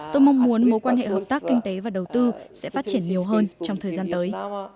tôi mong muốn mối quan hệ hợp tác kinh tế và đầu tư sẽ phát triển nhiều hơn trong thời gian tới